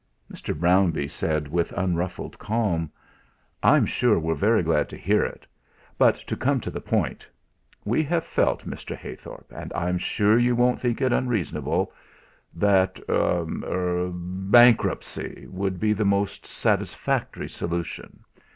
Mr. Brownbee said with unruffled calm: "I'm sure we're very glad to hear it. But to come to the point. We have felt, Mr. Heythorp, and I'm sure you won't think it unreasonable, that er bankruptcy would be the most satisfactory solution.